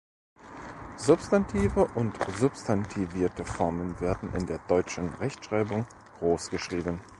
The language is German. Substantive und substantivierte Formen werden in der deutschen Rechtschreibung großgeschrieben.